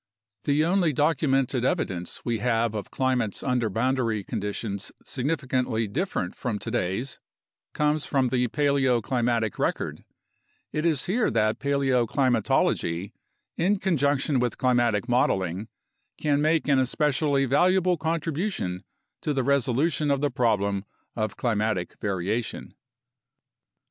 The only documented evidence we have of climates under boundary conditions significantly different from today's 35 36 UNDERSTANDING CLIMATIC CHANGE comes from the paleoclimatic record. It is here that paleoclimatology, in conjunction with climatic modeling, can make an especially valuable contribution to the resolution of the problem of climatic variation.